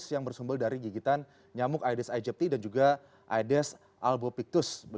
yang bersumbul dari gigitan nyamuk aedes aegepti dan juga aedes albovictus